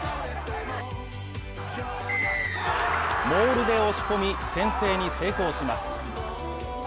モールで押し込み、先制に成功します。